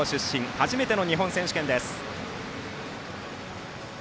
初めての日本選手権です。